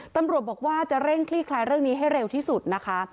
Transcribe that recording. ตำรวจบอกว่าจะเร่งคลี่คลายเรื่องนี้ให้เร็วที่สุดนะคะ